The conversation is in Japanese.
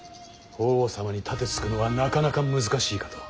法皇様に盾つくのはなかなか難しいかと。